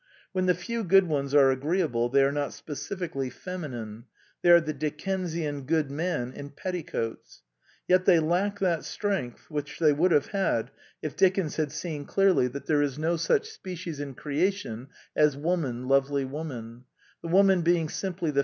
When the few good ones are agreeable they are not specifically feminine: they are the Dickensian good man in petticoats; yet they lack that strength which they would have had if Dickens had seen clearly that there is no The New Element 205 such species in creation as "Woman, lovely woman," the woman being simply the.